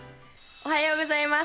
おはようございます